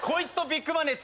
ビッグマネー。